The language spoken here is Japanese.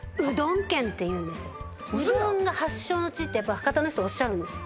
ウソやうどんの発祥の地ってやっぱ博多の人おっしゃるんですよ